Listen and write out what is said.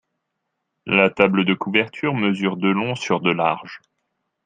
La table de couverture mesure de long sur de large.